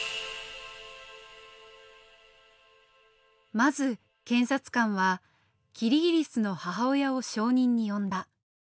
まず検察官はキリギリスの母親を証人に呼んだ。